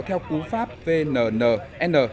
theo cú pháp vnnn